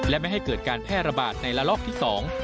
และไม่ให้เกิดการแพร่ระบาดในระลอกที่สอง